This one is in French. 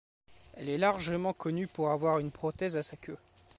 Elle est largement connue pour avoir une prothèse à sa queue.